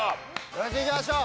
よしいきましょう！